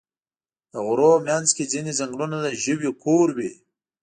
د غرونو منځ کې ځینې ځنګلونه د ژویو کور وي.